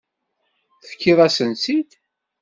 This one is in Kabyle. Tefkiḍ-asen-tt-id.